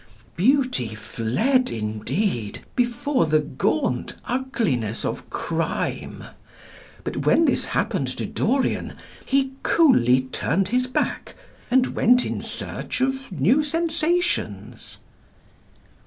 Beauty fled indeed before the gaunt ugliness of crime; but when this happened to Dorian, he coolly turned his back and went in search of new sensations.